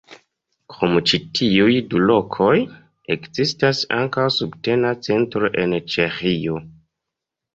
Krom ĉi tiuj du lokoj, ekzistas ankaŭ subtena centro en Ĉeĥio.